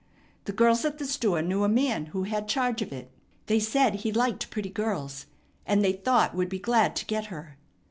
The girls at the store knew a man who had charge of it. They said he liked pretty girls, and they thought would be glad to get her.